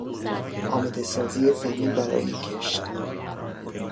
آماده سازی زمین برای کشت